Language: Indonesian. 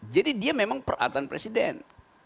jadi dia memang peralatan presiden